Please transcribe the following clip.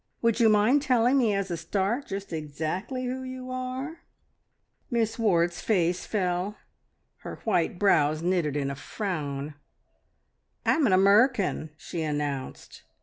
... Would you mind telling me as a start just exactly who you are?" Miss Ward's face fell. Her white brows knitted in a frown. "I'm an Amurrican," she announced.